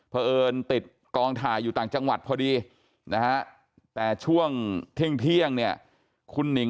เพราะเอิญติดกองถ่ายอยู่ต่างจังหวัดพอดีนะฮะแต่ช่วงเที่ยงเนี่ยคุณหนิง